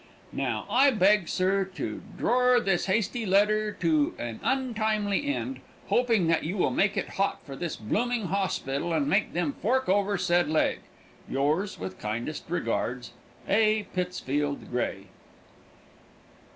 I now beg, sir, to dror this hasty letter to an untimely end, hoping that you will make it hot for this blooming hosspital and make them fork over said leg. Yours, with kindest regards, A. PITTSFIELD GRAY.